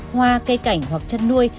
hoa cây cảnh hoặc chất nuôi